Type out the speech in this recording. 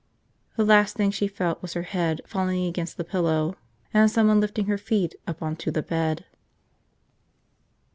... The last thing she felt was her head falling against the pillow and someone lifting her feet up onto the bed.